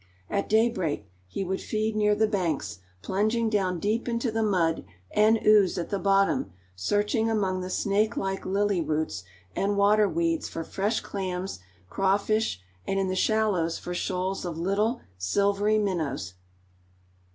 At daybreak he would feed near the banks, plunging down deep into the mud and ooze at the bottom, searching among the snake like lily roots and water weeds for fresh clams, crawfish and in the shallows for shoals of little silvery minnows.